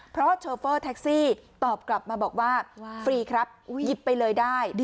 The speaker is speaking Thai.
เพราะโชเฟอร์แท็กซี่ตอบกลับมาบอกว่าฟรีครับหยิบไปเลยได้